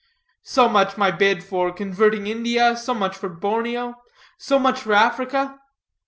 So much by bid for converting India, so much for Borneo, so much for Africa.